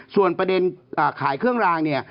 ส่วนประเด็นขายเครื่องรางเนี่ย